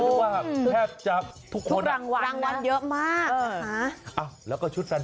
แค่ว่าใครสักทุกคนรางวัลเยอะมาก